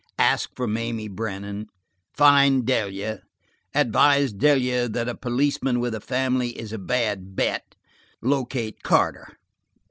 Ask for Mamie Brennan. Find Delia. Advise Delia that a policeman with a family is a bad bet. Locate Carter.